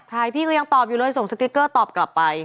ใช่พี่ก็ยังตอบอยู่เลยส่งสติ๊กเกอร์ตอบกลับไป